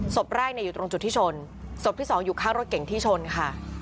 ศพแรกอยู่ตรงจุดที่ชนศพที่สองอยู่ข้างรถเก่งที่ชนค่ะ